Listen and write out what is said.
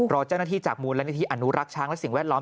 รอเจ้าหน้าที่จากมูลนิธิอนุรักษ์ช้างและสิ่งแวดล้อม